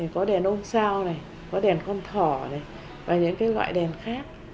có đèn ôm sao này có đèn con thỏ này và những loại đèn khác